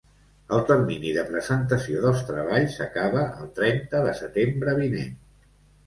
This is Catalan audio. El termini de presentació dels treballs acaba al trenta de setembre vinent.